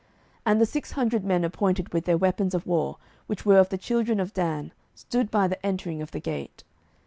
07:018:016 And the six hundred men appointed with their weapons of war, which were of the children of Dan, stood by the entering of the gate.